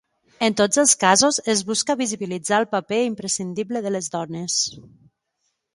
En tots els casos, es busca visibilitzar el paper imprescindible de les dones.